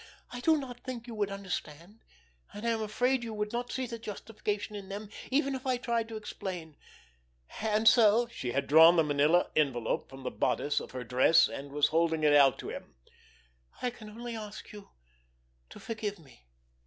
"I do not think you would understand, and I am afraid you would not see the justification in them even if I tried to explain, and so"—she had drawn the manila envelope from the bodice of her dress, and was holding it out to him—"I can only ask you to forgive me."